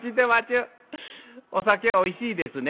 お酒おいしいですね。